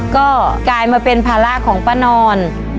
ก็กลายมาเป็นภาระของป้านอน